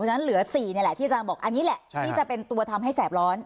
ฉะเหลือ๔นี่แหละที่อาจารย์บอกอันนี้แหละที่จะเป็นตัวทำให้แสบร้อน